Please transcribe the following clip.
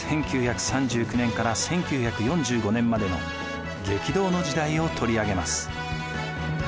１９３９年から１９４５年までの激動の時代を取り上げます。